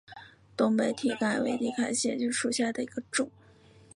东北蹄盖蕨为蹄盖蕨科蹄盖蕨属下的一个种。